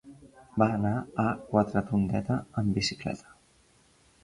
Va anar a Quatretondeta amb bicicleta.